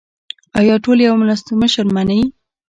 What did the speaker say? آیا ټول یو ولسمشر مني؟